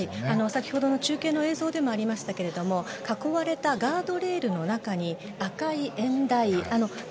先ほどの中継の映像でもありましたけども囲われたガードレールの中に赤い演台が。